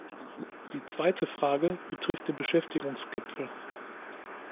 Die zweite Frage betrifft den Beschäftigungsgipfel.